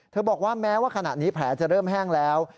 บอกว่าแม้ว่าขณะนี้แผลจะเริ่มแห้งแล้ว